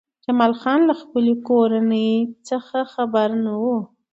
جمال خان هم له خپلې کورنۍ څخه خبر نه و